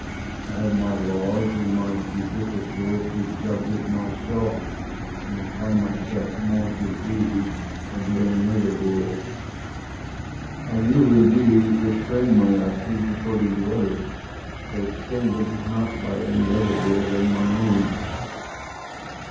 I have my laws and my judicature to judge of myself, and apply myself more to these than to any other rules: I do, indeed, restrain my actions according to others; but extend them not by any other rule than my own.